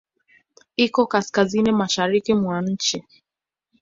Iko Kaskazini mashariki mwa nchi.